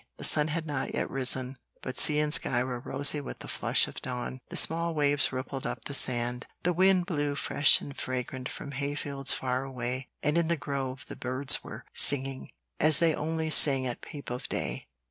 The sun had not yet risen, but sea and sky were rosy with the flush of dawn; the small waves rippled up the sand, the wind blew fresh and fragrant from hayfields far away, and in the grove the birds were singing, as they only sing at peep of day.